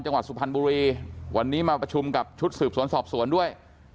จังหวัดสุพันธ์บุรีวันนี้มาประชุมกับชุดสืบสวนสอบสวนด้วย